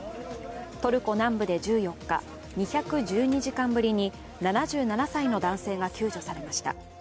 トルコ南部で１４日２１２時間ぶりに７７歳の男性が救助されました。